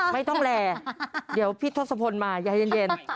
ไม่ต้องแลเดี๋ยวพี่ทศพลมาใจเย็น